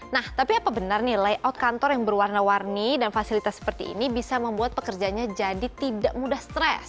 nah tapi apa benar nih layout kantor yang berwarna warni dan fasilitas seperti ini bisa membuat pekerjanya jadi tidak mudah stres